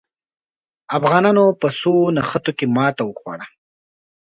افغانانو په څو نښتو کې ماته وخوړه.